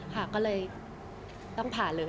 ค่ะก็เลยต้องผ่าเลย